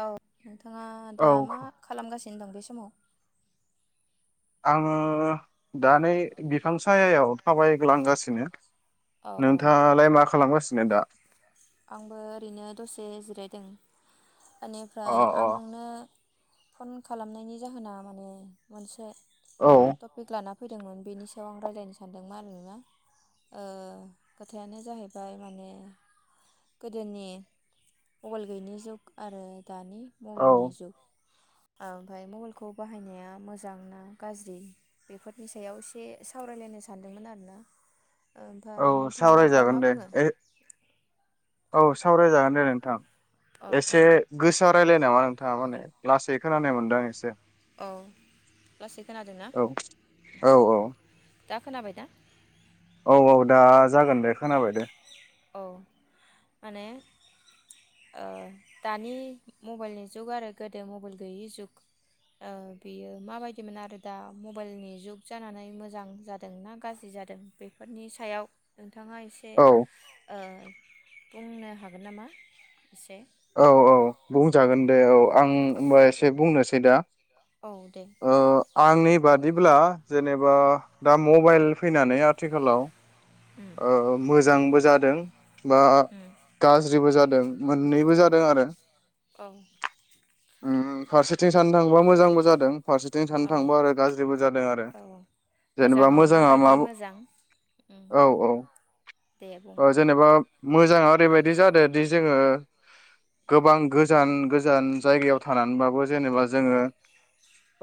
औ। बिथाङा दा मा औ खालामगासिनो दं बे स समाव आङो दानै बिफां सायायाव थाबायग्लांगासिनो। औ औ नोंथाङालाय मा खालामगासिनो दा? आंबो ओरैनो दसे जिरायदों। अ ओनिफ्राय आं नोंनो फन खालामनायनि जाहोना माने मोनसे औ टपिक लाना फैदोंमोन बेनि सायाव आं रायज्लायनो सानदोंमोन आरो ना ओ खोथायानो जाहैबाय माने गोदोनि मबाइल गैयिनि जुग आरो दानि औ मबाइलनि जुग। ओ ओमफाय मबाइलखौ बाहायनाया मोजां ना गाज्रि बेफोरनि सायाव एसे सावरायलायनो सानदोंमोन आरोना। औ ओमफाय नोंथाङा दा सावरायजागोन मा दे बुङो। ए औ सावरायजागोन दे नोंथां। औ औ एसे गोसा रायलायनाय नामा नों थाङा माने। लासै खोनानाय मोनदों आं एसे औ लासै खोनादोंना औ औ औ। दा खोनाबाय दा? औ औ दा जागोन दे खोनाबाय दे। औ माने ओ दानि मबाइलनि जुग आरो गोदो मबाइल गैयि जुग ओ बेयो माबायदिमोन आरो दा मबाइलनि जुग जानानै मोजां जादों ना गाज्रि जादों बेफोरनि सायाव। थाङा एसे औ ओ बुंनो हागोन नामा एसे। औ औ बुंजागोन दे औ आं होमबा एसे बुंनोसै दा औ दे। ओ आंनि बादिब्ला जेनेबा दा मबाइल फैनानै आथिखालाव उम ओ मोजांबो जाद दों। बा उम गाज्रिबो जादों। मोननैबो जादों आरो। औ। उम फारसेथिं साननो थाङोबा मोजांबो जादों। फारसेथिं साननो औ थाङोब्ला आरो गाज्रिबो जादों आरो औ जेनेबा मोजाङाव मोजाङा मा माबायदि मु मोजां उम औ औ दे बुं ओ जेनेबा मोजाङा ओरैबायदि जादोंदि जोङो गोबां गोजान गोजान जायगायाव थानानैबाबो जेनेबा जोङो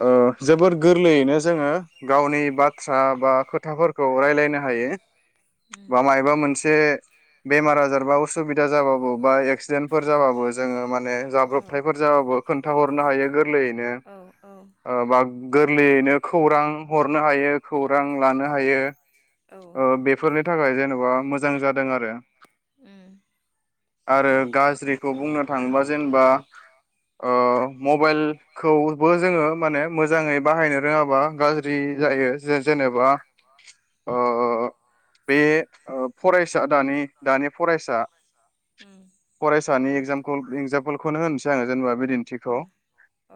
ओ जोबोर गोरलैयैनो जोङो गावनि बाथ्रा बा खोथाफोरखौ रायलायनो हायो। उम बा मायबा मोनसे बेमार आजार बा असुबिदा जाबाबो बा एक्सिडेन्टफोर जाबाबो जोङो मा ने औ जाब्रबथायफोर जाबाबो खोन था हरनो हायो गोर गोरलैयैनो औ ओ बाग गु गोरलैयैनो खौरां हरनो हायो खौरां लानो हायो। औ ओ बेफोरनि थाखाय जेन'बा मोजां जादों आरो। उम। आरो गाज्रिखौ बुंनो थाङोबा जेनेबा ओ मबाइलखौबो जोङो माने मोजाङै बाहायनो रोङाबा गाज्रि जायो जे जेनेबा ओ बे ओ फरायसा दानि दानि फरायसा उम औ फरायसानि एक्जामपोल एक्जामपोलखौनो होनोसै। जानो जेनबा बिदिन्थिखौ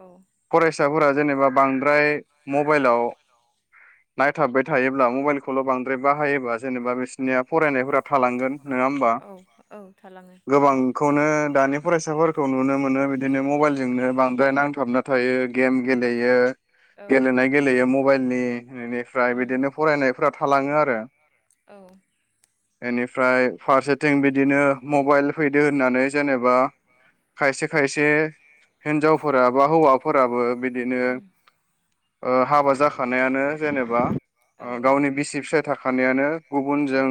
औ फरायसाफोरा जेनेबा बांद्राय मबाइलाव नायथाबबाय थायोब्ला मबाइलखौल' बांद्राय बायोबा जेनेबा बिसोरनिया फरायनायफोरा थालांगोन नोङा होमबा औ औ थालाङो गोबांखौनो दानि फरायसा फोर खौ नुनो मोनो बिदिनो मबाइलजोंनो बांद्राय नांथाबना थायो गेम गेलेयो। औ उम गेलेनाय गेलेयिया मब [unintelligible] इनिफ्राय बिदिनो फरायनायफोराब थालाङो आर [unintelligible] औ। इनिफ्राय फारसेथिं बिदिनो मबाइल फैदो होननानै जेनेबा खायसे खायसे हिनजावफोरा बा हौवाफोराबो बि दिनो उम ओ हाबा जाखानायानो जेनेबा औ ओ गावनि बिसि फिसा थाखानायानो गुबुनजों औ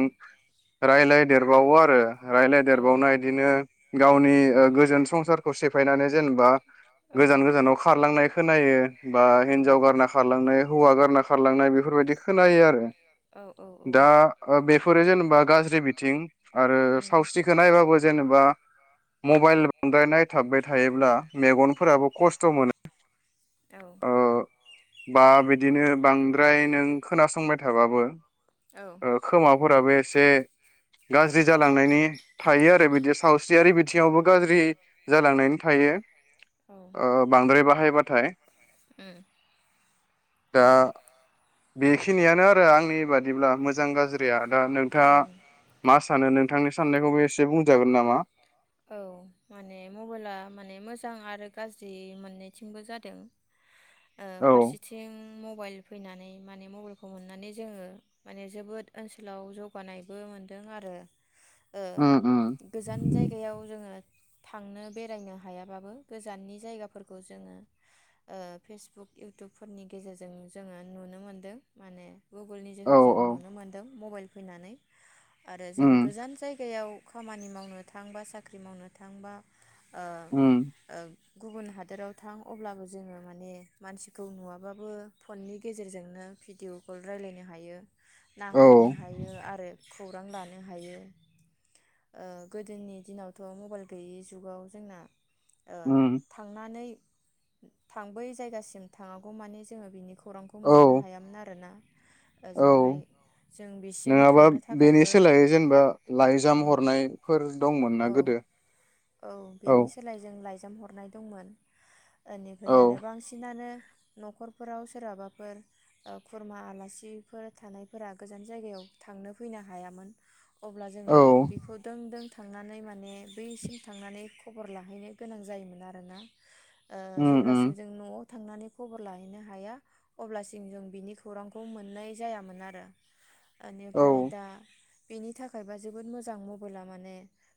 औ उम औ रायलाय देरबावो आरो रायजलायदेरबावना इदिनो गावनि ओ गोजोन संसारखौ सेफायनानै जेनेबा गोजान गोजानाव खारलांनाय खोनायो बा हिनजाव गारना खारलांनाय हौवा गारना खार खारलांनाय बेफोरबायदि खोनायो आरो दा ओ बे फोरो जेनेबा गा ज्रि बिथिं आरो सावस्रिखो नायबाबो जेनेबा मबाइल बांद्राय नायथाबबाय थायोब्ला मेगनफोराबो खस्थ मोनो ओ बा बिदिनो बांद्राय नों खोनासंबाय थाबाबो ओ खोमा फोराबो एसे गाज्रि जालांनायनि थायो आरो बिदिया सावस्रियारि बिथिङावबो गाज्रि जालांनायनि थायो। ओ बांद्राय बाहाय बाथाय उम दा बेखिनियानो आरो आंनि बा दिब्ला मोजां गाज्रिया दा नोंथाङा उम मा सानो नों नोंथांनि साननायखौबो एसे बुंजागोन नामा? औ माने मबाइला माने मोजां आरो गाज्रि मोननैथिंबो जादों ओ औ उम फारसेथिं मबाइल फैनानै माने मबेलखौ मोननानै जोङो माने जोबोद ओनसोलाव जौगानायबो मोनदों आरो ओ ओ गोजान जायगायाव जोङो थांनो बेरायनो हायाबाबो गोजाननि जायगाफोरखौ जोङो ओ फेसबुक इउटुबफोरनि गेजेरजों जोङो नुनो मोनदों माने गुगोलनि औ जोहै जों औ नुनो मोनदों मबाइल फैनानै आरो जों उम गोजान जायगायाव खामानि मावनो थांबा साख्रि मावनो थांबा ओ उम ओं गुबुन हादोराव थां अब्लाबो जोङो माने मानसिखौ नुवाबाबो फननि गेजेरजोंनो भिडिअ कल रायलायनो हायो औ नाहरनो हायो आरो खौरां लानो हायो ओ गोदोनि दिनावथ' मबाइल गैयि जुगाव जोंना ओ उम थांनानै थां बै जायगासिम थाङागौ मानि जोङो बिनिखौ खौरांखौ औ मोननो हायामोन आरोना। औ ओजोंहाय जों बिसिम नङाबा थांनो बेनि थाखायबो सोलायै जेनेबा लाइजाम उम हरनाय फोर दंमोन ना औ गोदो औ। बेनि सोलाय जों लाइजाम हरनाय दंमोन। इनिफ्राय औ आरो बांसिनानो न'खरफोराव सोरहाबाफोर ओ खुरमा आलासिफोर थानायफोरा गोजान जायगायाव थांनो फैनो हायामोन अब्ला औ जोङो बेखौ दों थांनानै माने बैसिम थांनानै खबर लाहैनो गोनां जायोमोन आरोना। ओ उम उम जेब्लासिम जों न'आव थांनानै खबर लाहैनो हाया अब्लासिम जों बिनि खौरांखौ मोननाय जायामोन आरो। औ इनिफ्राय दा बेनि थाखायबा जोबोद मोजां मबाइला माने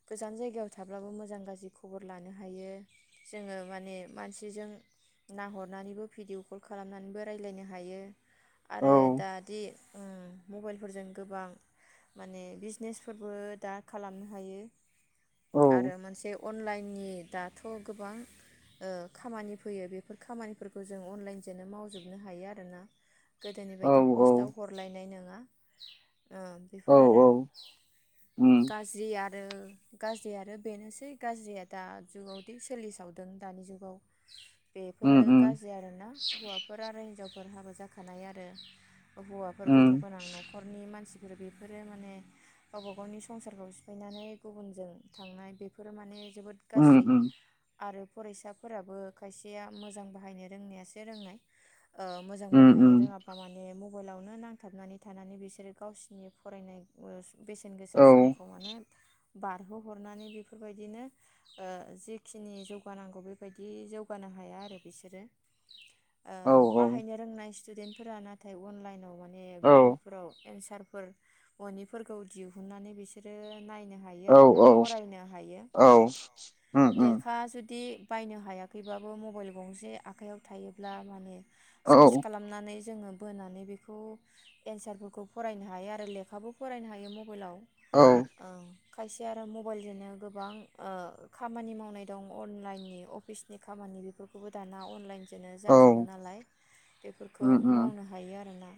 गोजान जायगायाव थाब्लाबो मोजां गाज्रि खबर लानो हायो जोङो माने मानसिजों नाहरनानैबो भिडिअ कल खालामनानैबो रायलायनो हायो औ आरो दा दि ओ मबाइलफोरजों गोबां माने बिजनेसफोरबो दा खालामनो हायो औ आरो मोनसे अनलाइननि दाथ' गोबां ओ खामानि फैयो बेफोर खामानिफोरखौ जों अनलाइनजोंनो मावजोबनो हायो आरोना। गोदोनि औ बायदि पस्टाव हरलायनायनो [unintelligible] ओ औ बेफोर आरो। औ उम गाज्रिया ओ आरो गाज्रि आरो बेनोसै गाज्रिया दा जुगावदि सोलिसावदों दानि जुगाव। उम बेफोरो उम गाज्रि आरोना हौवाफोर आरो हिनजाव फोर हाबा जाखानाय आरो हौवाफोर गथ' उम गोनां न'खरनि मानसि बेफोरो माने गावबा गावनि संसारखौ सिफायनानै गुबुनजों थांनाय बेफोरो माने जोबोद उम गाज्रि उम आरो फरायसाफोराबो खायसेया मोजां बाहायनो रोंनायासो रोंनाय। मोजां उम बाहायनो उम रोङाबा माने मु मबाइलावनो नांथाबनानै थानानै बिसोरो गावसिनि फरायनाय ओ बेसेन गोसा औ समखौ माने बारहोहरनानै बेफोरबायदिनो ओ जेखिनि जौगानांगौ बेबायदि जौगानो हाया आरो बिसोरो। ओ औ बाहायनो रोंनाय स्टुदेन्टफोरा नाथाय अनलाइनाव मा ने औ गुगोलफोराव एन्सार फोर मोनिफोरखौ दिहुननानै बिसोरो नायनो हायो औ आरोना औ फरायनो हायो औ उम उम लेखा जुदि बायनो हायाखैबाबो मबाइल गंसे आखायाव थायोब्ला माने औ सार्च खालामनानै जोङो बोनानै बेखौ एन्सारफोरखौ फरायनो हायो आरो लेखाबो फरायनो हायो मबाइलाव। औ ओं खायसे आरो मबाइलजोंनो गोबां ओ खामानि मावनाय दं अनलाइननि अफिसनि खामानि बेफोरखौबो दाना अनलाइन बिदिनो औ जाजोबो नालाय बेफोरखौ उम उम मावनो हायो आरोना।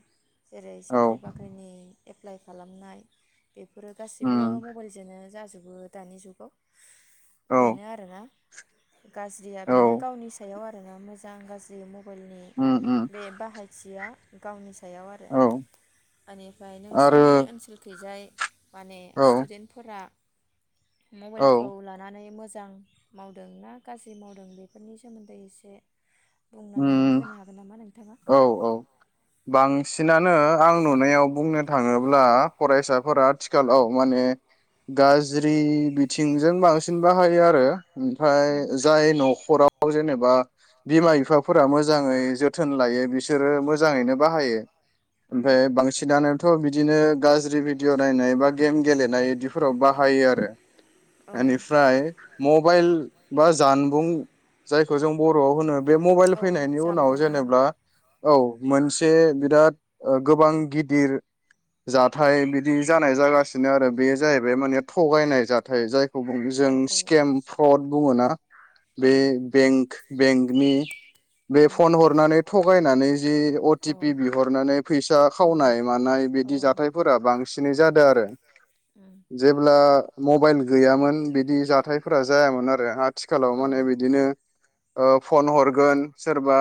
जेरै औ साख्रि बाख्रिनि एप्लाइ खालामनाय बेफोरो गासैबो उम मबाइलजोंनो जाजोब बो दानि जुगाव औ बेनो आरोना गाज्रिया बेनो औ गावनि सायाव मोजां गाज्रि म बाइलनि उम उम बे बाहायथिया गावनि सा सायाव आरो औ बेनिफ्राय आरो नोंसिनि ओनसोलखैजाय माने औ स्टुदेन्टफोरा औ मबाइलखौ लानानै मोज जां मावदों ना गाज्रि मावदों बेफोरनि सोमोन्दै एसे बुंनानै उम होनो हागोन नामा नोंथाङा औ औ बांसिनानो आं नुनायाव बुंनो थाङोब्ला फरायसाफोरा आथिखालाव माने गाज्रि बिथिंजों बांसिन बाहायो आरो। ओमफ्राय औ जाय नखराव जेनेबा बिमा फोरा मोजाङै जोथोन लायो बिसोरो मोजाङैनो बाहायो औ ओमफ्राय बांसिनानोथ बिदिनो गाज्रि बि भिडिअ नायनाय बा गेम गेलेनाय इदिफोराव बाहायो आरो। औ इनिफ्राय मबाइल बा जानबुं जायखौ जों बरआव होनो बे औ फैनायनि उनाव जामबुं जेनेबा औ मोनसे बिराद ओ गोबां गिदिर जाथाय बिदि जानाय जागासिनो आरो बे जाहैबाय माने थगायनाय जाथाय जाय औ जों औ स्केम फ्रद बुङोना बे औ बेंक बेंकनि औ अ बे उम फन हरनानै थगायनानै जि अटिपि बिहरनानै फैसा खावनाय मानाय बिदि जाथायफोरा बांसिन फिसिनाय जादों आरो। जेब्ला मबाइल गैयामोन बिदि जाथायफोरा जायामोन आरो आ थिखालाव माने बिदिनो ओ फन हरगोन सोरबा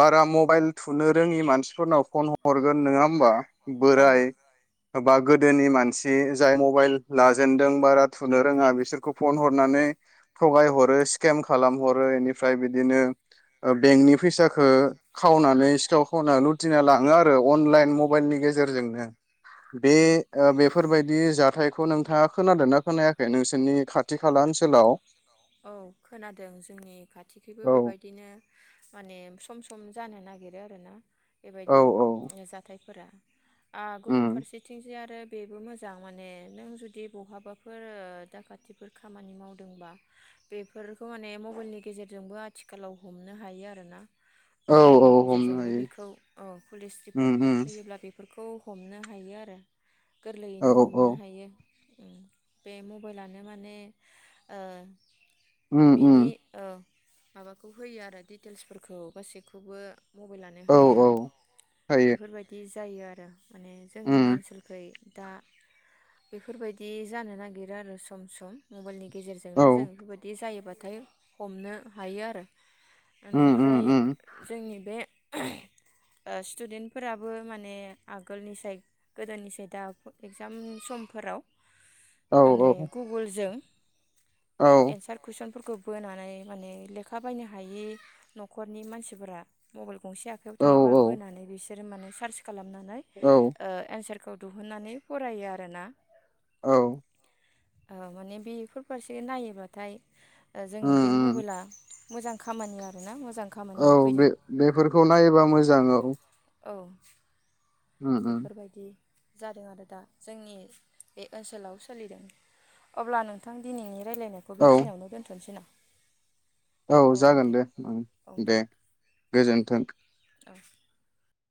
बारा मबाइल थुनो रोङि मानसिफोरनाव फन हरगोन नङा होमबा। औ बोराय ओब बा गोदोनि मानसि जाय मबाइल लाजेनदों बारा थुनो रोङा बिसोरखौ फन हरनानै थगाय हरो स्केम खालाम हर। आरो बेनिफ्राय बिदिनो ओ बेंकनि फैसाखौ खावनानै सिथाव खावनानै लुथिना लाङो आरो अनलाइन मबाइलनि गेजेरजोंनो। बे औ ओ बेफोरबायदि जाथायखौ नोंथाङा खोनादों ना खोनायाखै? बे नोंसोरनि खाथि-खाला ओनसोलाव? औ खोनादों जोंनि खाथिखैबो औ बेबायदिनो माने सम-सम जानो नागिरो आरोना। औ बेबायदि औ जाथाय। फोरा‌। अ गुबुन उम फारसेथिंजाय आरो बेबो मोजां माने नों जुदि बहाबाफोर दाखाथिफोर खामानि मावदोंबा बेफोरखौ माने मबाइलनि गेजेरजोंबो आथिखालाव हमनो हायो आरोना। औ औ मबाइलनि हमनो गेजेरजोंबो हायो बेखौ ओ पुलिस उम रिपर्टफोर उम होयोब्ला बेफोरखौ बे खौ हमनो हायो आरो। गोरलैयैनो औ औ हमनो हायो बे मबाइलानो माने उम बिनि उम माबाखौ होयो आरो डिटेल्सफोरखौ गासैखौबो मबाइलानो औ होयो औ हायो बेफोरबायदि जायो आरो माने जोंनि उम ओनसोलखै दा बेफोरबायदि जानो नागिरो आरो सम सम मबाइलनि गेजेराव औ उम गेजेरजोंनो जों बिदि जायोबाथाय हमनो हायो आरो उम बेनिफ्राय उम जोंनि बे स्टुदेन्टफोराबो माने आगोलनि साय गोदोनि साय दा इगजाम समफोराव औ माने गुगोलजों औ एन्सार कुइसनफोरखौ बोनानै माने लेखा बायनो हायि न'खरनि मानसिफोरा मबाइल गंसे आखायाव औ थायोबा औ बोनानै बिसोर [unintelligible] माने सार खालामनानै औ ओ एन्सारखौ दिहुननानै फरायो आरोना औ माने बेफोर फारसे नायो होनबाथाय जोंनि उम बे उम मबाइला मोजां खामानि आर ना मो औ बे बेफोरखौ नायोबा मोजां औ औ उम उम बेफोरबायदि जादों आरो दा जोंनि बे ओनसोलाव सोलिदों अब्ला नोंथां दिनैनि रायज्लायनायखौ औ बेखिनियावनो दोनथ'नोसै ना औ जागोन दे दे गोजोन्थों औ